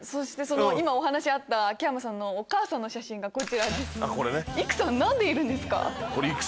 今お話あった秋山さんのお母さんの写真がこちらです。